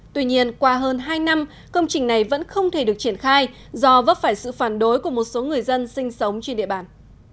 tuy nhiên qua hơn hai năm công trình này vẫn không thể được triển khai do vấp phải sự phản đối của một số người dân sinh sống trên địa bàn